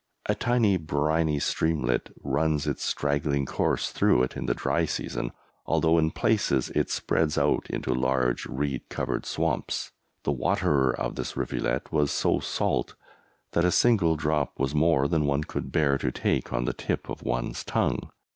A tiny, briny streamlet runs its straggling course through it in the dry season, although in places it spreads out into large reed covered swamps. The water of this rivulet was so salt that a single drop was more than one could bear to take on the tip of one's tongue.